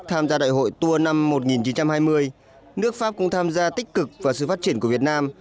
tham gia đại hội tour năm một nghìn chín trăm hai mươi nước pháp cũng tham gia tích cực vào sự phát triển của việt nam